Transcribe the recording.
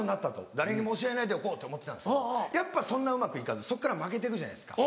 誰にも教えないでおこうって思ってたんですけどやっぱそんなうまく行かずそっから負けてくじゃないですか。